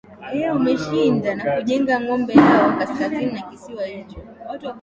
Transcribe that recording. na kujenga ngome yao Kaskazini ya kisiwa hicho